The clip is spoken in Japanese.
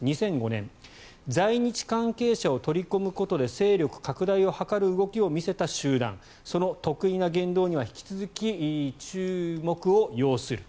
２００５年在日関係者を取り込むことで勢力拡大を図る動きを見せた集団その特異な言動には引き続き注目を要する。